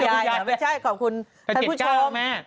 แต่๗เก้านะแม่